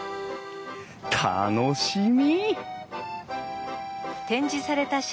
楽しみ！